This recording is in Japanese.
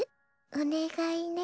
おねがいね。